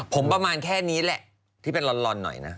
ผมประมาณแค่นี้แหละที่เป็นลอนหน่อยนะ